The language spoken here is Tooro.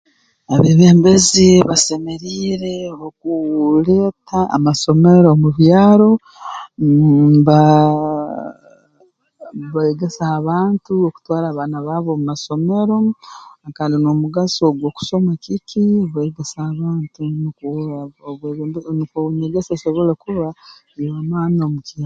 Abeebembezi basemeriire mh okuu leeta amasomero mu byaro mmh mbaah mbeegesa abantu okutwara abaana baabo omu masomero kandi n'omugaso ogw'okusoma kiki beegesa abantu nukwo obwebe nukwo enyegesa esobole kuba y'amaani omu ki